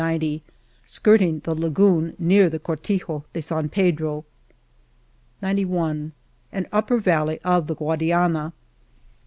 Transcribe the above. » 8g Skirting the lagoon near the Cortijo de San Pedro, . go An upper valley cf the Cuadiana, .